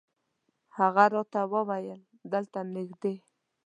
هغه راته وویل دلته نږدې.